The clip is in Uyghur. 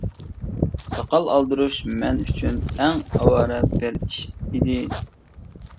ساقال ئالدۇرۇش مەن ئۈچۈن ئەڭ ئاۋارە بىر ئىش ئىدى.